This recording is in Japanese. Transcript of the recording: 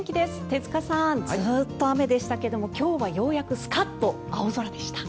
手塚さんずっと雨でしたけども今日はようやくスカッと青空でした。